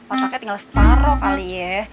otaknya tinggal separoh kali ya